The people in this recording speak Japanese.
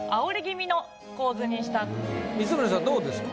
光宗さんどうですか？